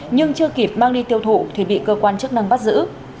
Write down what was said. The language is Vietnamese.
nhưng chưa kịp mang đi tiêu thụ thì bị cơ quan chức năng bắt giữ